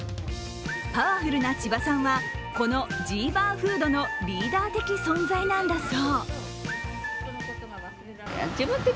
パワフルな千葉さんはこのジーバーフードのリーダー的存在なんだそう。